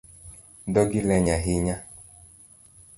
Dhogi leny ahinya